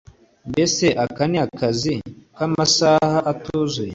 Mbese aka ni akazi k amasaha atuzuye